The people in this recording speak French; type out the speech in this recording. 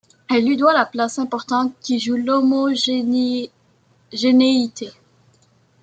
Elle lui doit la place importante qu'y joue l'homogénéité.